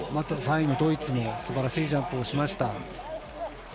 ３位のドイツもすばらしいジャンプをしました。